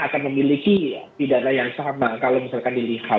karena memiliki peran yang sama untuk sama sama melaksanakan hal ini